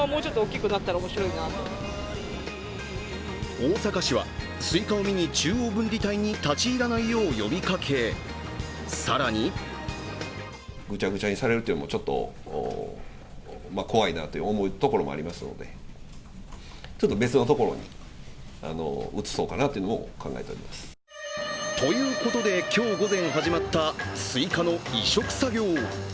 大阪市はスイカを見に中央分離帯に立ち入らないように呼びかけ、更にということで、今日午前始まったスイカの移植作業。